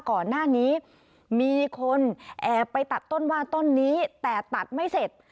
ก่อนหน้านี้มีคนแอบไปตัดต้นว่าต้นนี้แต่ตัดไม่เสร็จ